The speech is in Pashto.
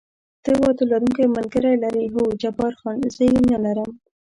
ته واده لرونکی ملګری لرې؟ هو، جبار خان: زه یې نه لرم.